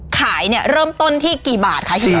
ขายเนี่ยเริ่มต้นที่กี่บาทคะเฮีย